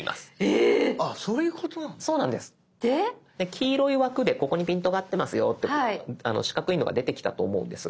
黄色い枠でここにピントが合ってますよと四角いのが出てきたと思うんです。